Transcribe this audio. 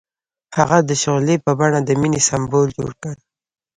هغه د شعله په بڼه د مینې سمبول جوړ کړ.